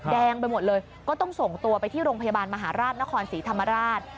แดงไปหมดเลยก็ต้องส่งตัวไปที่โรงพยาบาลมหาราชนครศรีธรรมราช